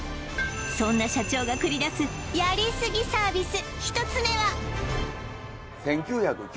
そんな社長が繰り出すやりすぎサービス